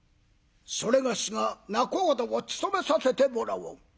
それがしが仲人を務めさせてもらおう」。